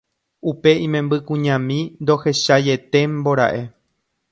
upe imembykuñami ndohechaietémbora'e.